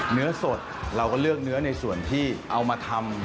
เนื้อสดเราก็เลือกเนื้อในส่วนที่เอามาทำ